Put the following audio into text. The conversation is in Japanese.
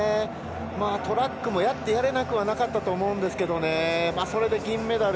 トラックもやってやれなくはなかったと思うんですがそれで銀メダル。